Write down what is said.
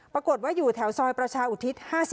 ปรากฏว่าอยู่แถวซอยประชาอุทิศ๕๔